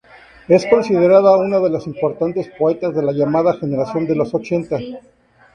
Es considerada una de las importantes poetas de la llamada Generación de los Ochenta.